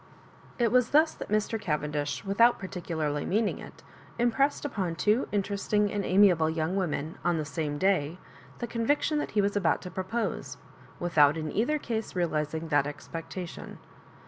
It was thus that Mr. Cavendish, without parti cularly meaning it, impressed upon two interest ing and amiable young women on the same day the conviction that he was about to propose, without in either case realismg that expectation.